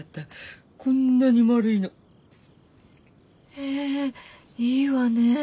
へぇいいわねぇ。